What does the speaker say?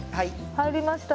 入りました。